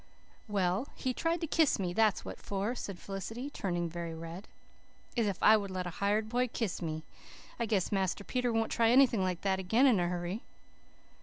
"Well, he tried to kiss me, that's what for!" said Felicity, turning very red. "As if I would let a hired boy kiss me! I guess Master Peter won't try anything like that again in a hurry."